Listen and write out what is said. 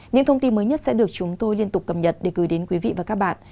những thông tin mới nhất sẽ được chúng tôi liên tục cập nhật để gửi đến quý vị và các bạn